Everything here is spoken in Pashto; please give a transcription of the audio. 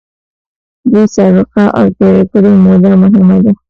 دوی سابقه او تېره کړې موده مهمه ده.